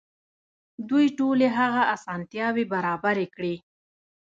دوی ټولې هغه اسانتياوې برابرې کړې.